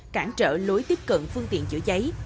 cản trở lối tiếp cận phương tiện chữa cháy